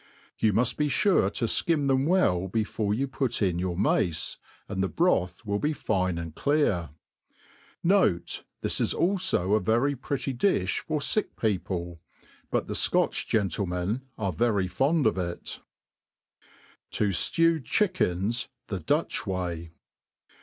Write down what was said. You muft be fure to (kirn them welj before you put ia your mace, and the broth will be fine and clear. Note, This is alfo a very pretty difh for fick people ; but the Scotch gentlemen are very fond of it* MADE PLAIN AND E^SY, 8t To fiew Chickens the Dutch way*